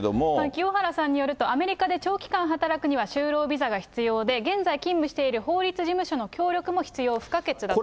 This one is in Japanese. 清原さんによると、アメリカで長期間働くには、就労ビザが必要で、現在、勤務している法律事務所の協力も必要不可欠だと。